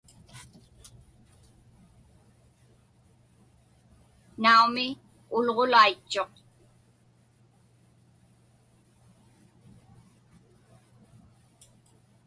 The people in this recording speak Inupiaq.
Naumi, ulġulaitchuq.